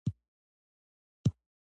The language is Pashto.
وروسته یې د انګرېزانو په واسطه خوندي کړې.